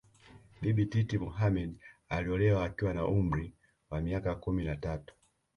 Bibi Titi Mohammed aliolewa akiwa na umri wa miaka kumi na tatu